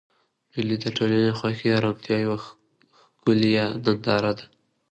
مېلې د ټولنې د خوښۍ او ارامتیا یوه ښکلیه ننداره ده.